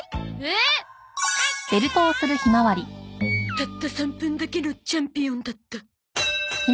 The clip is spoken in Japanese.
たった３分だけのチャンピオンだった。